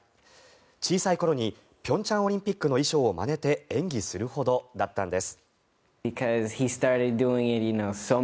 小さい頃に平昌オリンピックの衣装をまねて演技するほどだったんです。